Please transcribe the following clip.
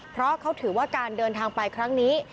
เพราะเขาถือว่าการเดินทางไปครั้งนี้